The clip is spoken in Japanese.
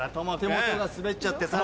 手元が滑っちゃってさ。